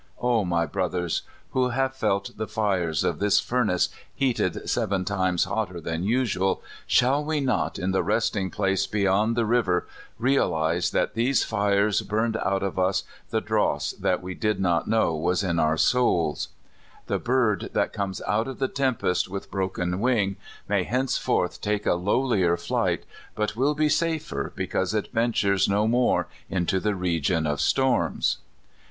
O my brothers, who have felt the fires of that furnace heated seven times hotter than usual, shall we not in the resting place beyond the river realize that these fires burned out of us 136 CALIFORNIA SKETCHES. the dross that we did not know w r as in our souls ? The bird that comes out of the tempest with bro ken wing may henceforth take a lowlier flight, but will be safer because it ventures no more into the region of storms.